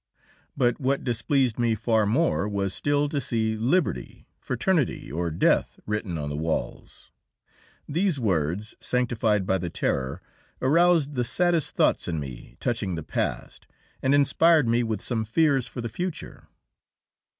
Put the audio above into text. But what displeased me far more was still to see "liberty, fraternity or death" written on the walls. These words, sanctified by the Terror, aroused the saddest thoughts in me touching the past, and inspired me with some fears for the future.